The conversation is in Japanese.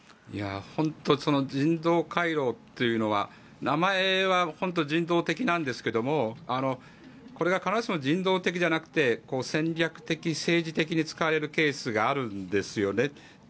本当に人道回廊っていうのは名前は本当に人道的なんですがこれが必ずしも人道的じゃなくて戦略的・政治的に使われるケースがあるんですよね。